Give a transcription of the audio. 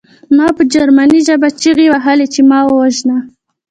ما په جرمني ژبه چیغې وهلې چې ما ووژنه